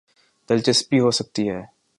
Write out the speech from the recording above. دلچسپی ہو سکتی ہے۔